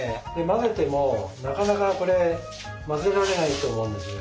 混ぜてもなかなかこれ混ぜられないと思うんです。